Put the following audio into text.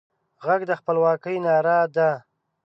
غږ د خپلواکۍ ناره ده